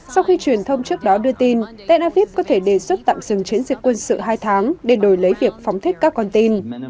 sau khi truyền thông trước đó đưa tin tel aviv có thể đề xuất tạm dừng chiến dịch quân sự hai tháng để đổi lấy việc phóng thích các con tin